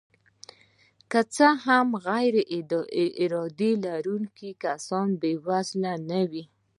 که څه هم غیرعاید لرونکي کسان بې وزله نه وي